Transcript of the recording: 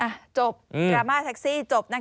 จบดราม่าแท็กซี่จบนะคะ